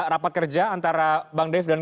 rapat kerja antara bang dev dan